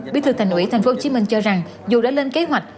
bí thư thành ủy tp hcm cho rằng dù đã lên kế hoạch